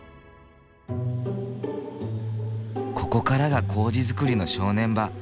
ここからが麹づくりの正念場。